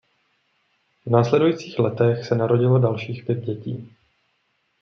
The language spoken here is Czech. V následujících letech se narodilo dalších pět dětí.